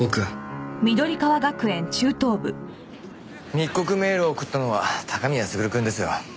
密告メールを送ったのは高宮優くんですよ。